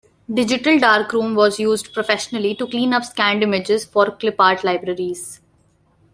Digital Darkroom was used professionally to clean up scanned images for clip art libraries.